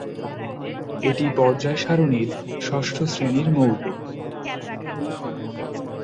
এটি পর্যায় সারণীর ষষ্ঠ শ্রেণীর মৌল।